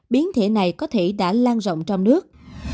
biến thể này có thể đã lan rộng trong nước